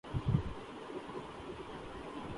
پاکستان نے ٹاس جیت کر بھارت کو پہلے بیٹنگ کی دعوت دی۔